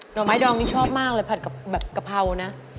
่อไม้ดองนี่ชอบมากเลยผัดกับแบบกะเพรานะ